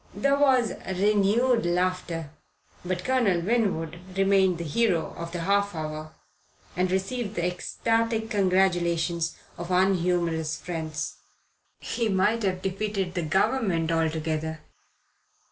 There was "renewed laughter," but Colonel Winwood remained the hero of the half hour and received the ecstatic congratulations of unhumorous friends. He might have defeated the Government altogether.